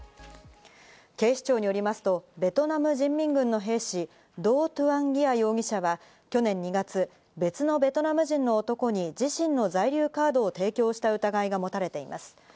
警視庁によりますとベトナム人民軍の兵士、ドー・トゥアン・ギア容疑者は、去年２月、別のベトナム人の男に自身の在留カードを提供した疑いが持たれています。